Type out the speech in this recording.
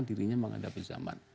dirinya menghadapi zaman